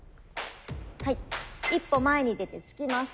はい一歩前に出て突きます。